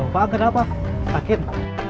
pak kenapa sakit